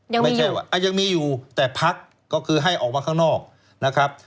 ไม่ใช่ว่ายังมีอยู่แต่พักก็คือให้ออกมาข้างนอกนะครับ